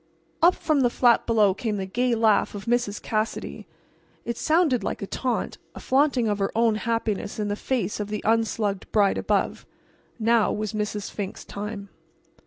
Up from the flat below came the gay laugh of Mrs. Cassidy. It sounded like a taunt, a flaunting of her own happiness in the face of the unslugged bride above. Now was Mrs. Fink's time.